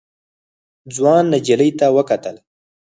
ځوان نجلۍ ته وکتل.